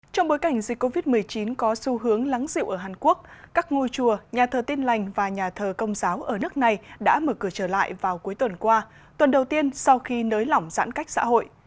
trong bối cảnh dịch covid một mươi chín có xu hướng lắng dịu ở hàn quốc các ngôi chùa nhà thờ tin lành và nhà thờ công giáo ở nước này đã mở cửa trở lại vào cuối tuần qua tuần đầu tiên sau khi nới lỏng giãn cách xã hội